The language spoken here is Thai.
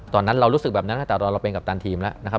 ตอนนั้นเรารู้สึกแบบนั้นตั้งแต่ตอนเราเป็นกัปตันทีมแล้วนะครับ